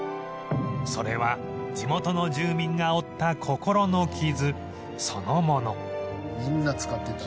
それは地元の住民が負った心の傷そのもの